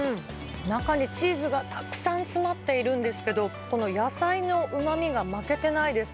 中にチーズがたくさん詰まっているんですけど、この野菜のうまみが負けてないです。